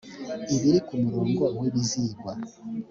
ibiri ku murongo w ibizigwa